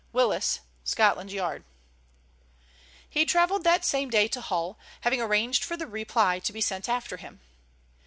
"WILLIS, "Scotland Yard." He travelled that same day to Hull, having arranged for the reply to be sent after him.